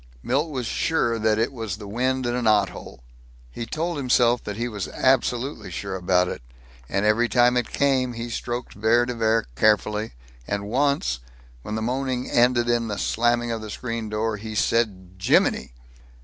Milt was sure that it was the wind in a knothole. He told himself that he was absolutely sure about it. And every time it came he stroked Vere de Vere carefully, and once, when the moaning ended in the slamming of the screen door, he said, "Jiminy!"